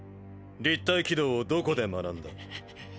立体機動をどこで学んだ？